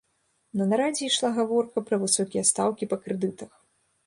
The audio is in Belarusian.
На нарадзе ішла гаворка пра высокія стаўкі па крэдытах.